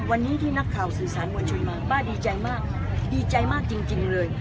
วันนี้ที่นักข่าวสื่อสารมวลชนมาป้าดีใจมากดีใจมากจริงเลย